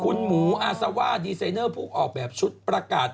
คุณหมูอาซาว่าดีไซเนอร์ผู้ออกแบบชุดประกาศ